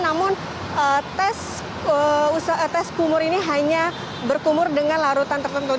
namun tes kumur ini hanya berkumur dengan larutan tertentu